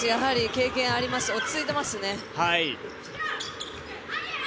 経験ありますし落ち着いていますね。